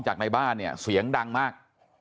ในบ้านเนี่ยเสียงดังมาก